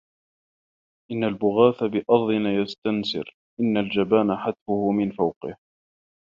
إن البغاث بأرضنا يستنسر إن الجبان حتْفُه من فوقه